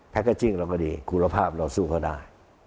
เกอร์จิ้งเราก็ดีคุณภาพเราสู้เขาได้